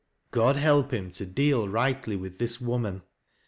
God help him to deal rightly with this woman.